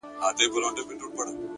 هره ناکامي د نوې پوهې دروازه پرانیزي’